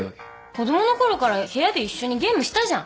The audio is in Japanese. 子供のころから部屋で一緒にゲームしたじゃん。